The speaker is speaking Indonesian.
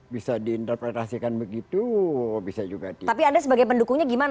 bisa diinterpretasikan begitu